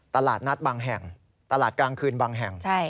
ตลาดนัดบางแห่งตลาดกลางคืนบางแห่ง